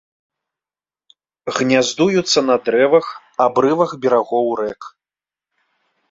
Гняздуюцца на дрэвах, абрывах берагоў рэк.